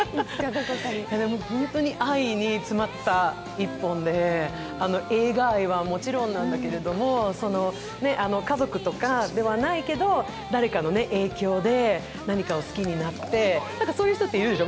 本当に愛に詰まった一本で、映画愛はもちろんなんだけれども、家族とかではないけれど、誰かの影響で何かを好きになって、そういう人っているでしょ。